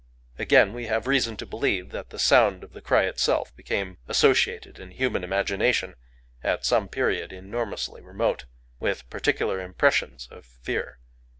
Again, we have reason to believe that the sound of the cry itself became associated in human imagination, at some period enormously remote, with particular impressions of fear.